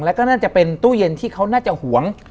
แล้วก็น่าจะเป็นตู้เย็นที่เขาน่าจะห่วง